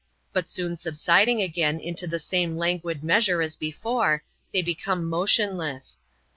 But soon sub siding again into the same laxi^m^m^^xrc^ as before, they be came motionless •, and